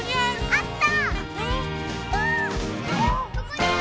あった！